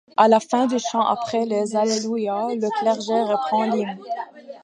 À la fin du chant après les alléluia, le clergé reprend l'hymne.